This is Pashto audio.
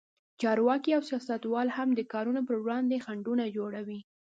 چارواکي او سیاستوال هم د کارونو پر وړاندې خنډونه جوړوي.